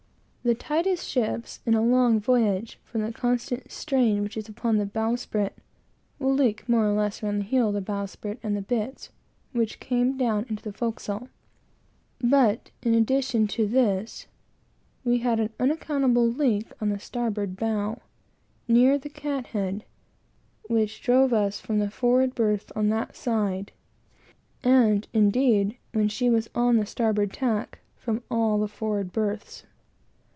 The tightest ships, in a long voyage, from the constant strain which is upon the bowsprit, will leak, more or less, round the heel of the bowsprit, and the bitts, which come down into the forecastle; but, in addition to this, we had an unaccountable leak on the starboard bow, near the cat head, which drove us from the forward berths on that side, and, indeed, when she was on the starboard tack, from all the forward berths.